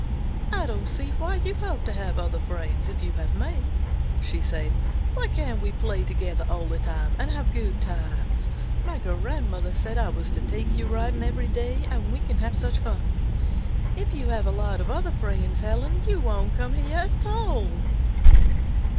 "I don't see why you have to have other friends if you have me," she said. "Why can't we play together all the time, and have good times? My grandmother said I was to take you riding every day, and we can have such fun. If you have a lot of other friends, Helen, you won't come here at all."